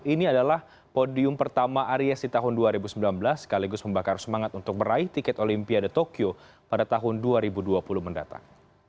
ini adalah podium pertama aries di tahun dua ribu sembilan belas sekaligus membakar semangat untuk meraih tiket olimpiade tokyo pada tahun dua ribu dua puluh mendatang